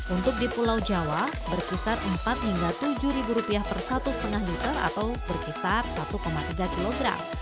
untuk di pulau jawa berkisar empat hingga tujuh ribu rupiah per satu lima liter atau berkisar satu tiga kilogram